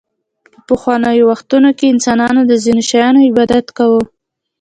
په پخوانیو وختونو کې انسانانو د ځینو شیانو عبادت کاوه